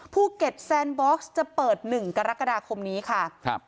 ภูเก็ตแซนบ็อกซ์จะเปิด๑กรกฎาคมนี้ค่ะครับ